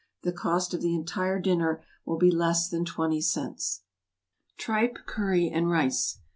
The cost of the entire dinner will be less than twenty cents. =Tripe, Curry and Rice.